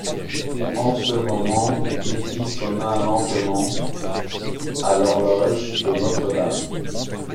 En ce moment midi sonna lentement à l’horloge de Notre-Dame.